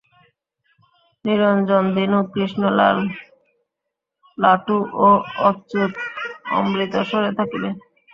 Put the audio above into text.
নিরঞ্জন, দীনু, কৃষ্ণলাল, লাটু ও অচ্যুত অমৃতসরে থাকিবে।